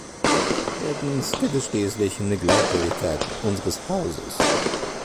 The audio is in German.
Drittens geht es schließlich um die Glaubwürdigkeit unseres Hauses.